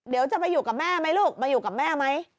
เดี๋ยวจะไปอยู่กับแม่ไหมลูกมาอยู่กับแม่ไหม